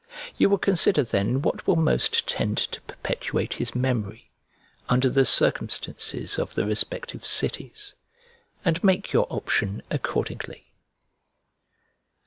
You will consider then what will most tend to perpetuate his memory, under the circumstances of the respective cities, and make your option accordingly.